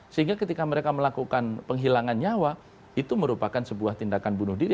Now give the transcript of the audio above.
sehingga ketika mereka melakukan penghilangan nyawa itu merupakan sebuah tindakan bunuh diri